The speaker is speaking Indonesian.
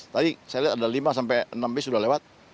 tadi saya lihat ada lima sampai enam bis sudah lewat